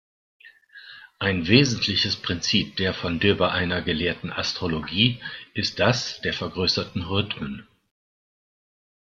Ein wesentliches Prinzip der von Döbereiner gelehrten Astrologie ist das der vergrößerten Rhythmen.